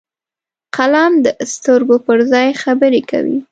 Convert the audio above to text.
قلم د سترګو پر ځای خبرې کوي